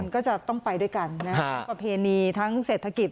ก็จะต้องไปด้วยกันทั้งประเพณีทั้งเศรษฐกิจ